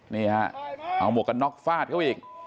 นี่ฮะเอาหมวกกันน็อกฟาดเขาอีก